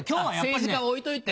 政治家は置いといて。